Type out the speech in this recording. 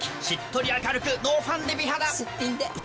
しっとり明るくノーファンデ美肌すっぴんで。